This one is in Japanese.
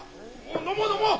飲もう飲もう。